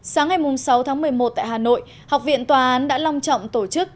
sáng ngày sáu tháng một mươi một tại hà nội học viện tòa án đã long trọng tổ chức